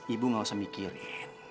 ibu gak usah mikirin